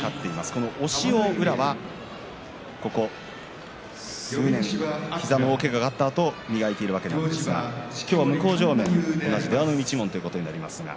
その押しを宇良はここ数年膝の大けががあったあと磨いているわけですが今日、向正面は同じ出羽海一門になります。